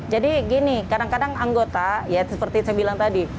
jadi gini kadang kadang anggota ya seperti saya bilang tadi